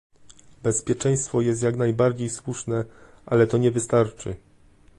Bezpieczeństwo jest jak najbardziej słuszne, ale to nie wystarczy